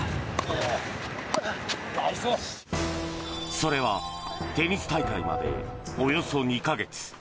それはテニス大会までおよそ２か月。